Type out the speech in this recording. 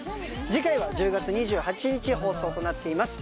次回は１０月２８日放送となっています